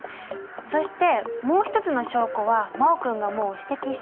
そしてもう一つの証拠は真旺君がもう指摘したんだけど。